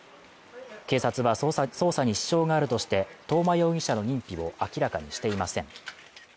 警察は捜査捜査に支障があるとして、東間容疑者の認否を明らかにしていません。